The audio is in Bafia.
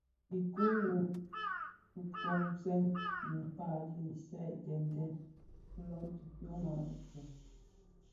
Nnè ikuu nwu kopsèn dhi tsak ki isal den denden lön bi fyoma fifog.